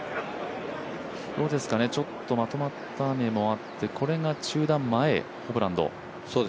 ちょっとまとまった雨もあってこれが中断前、ホブランド。